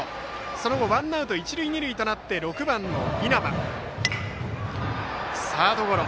その後ワンアウト一塁二塁となって６番の稲葉はサードゴロ。